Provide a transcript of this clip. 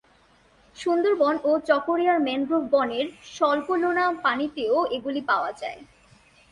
সুন্দরবন ও চকোরিয়ার ম্যানগ্রোভ বনের স্বল্পলোনা পানিতেও এগুলি পাওয়া যায়।